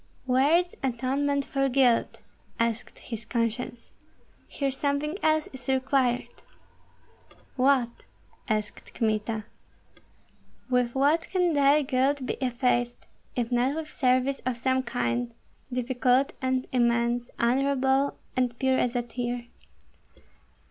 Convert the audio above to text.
"Where is atonement for guilt?" asked his conscience. "Here something else is required!" "What?" asked Kmita. "With what can thy guilt be effaced, if not with service of some kind, difficult and immense, honorable and pure as a tear?